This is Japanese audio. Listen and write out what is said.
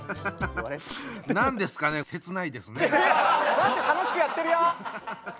何で楽しくやってるよ！